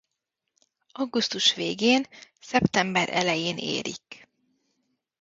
Augusztus végén-szeptember elején érik.